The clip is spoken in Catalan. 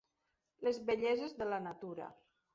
Les belleses de la natura.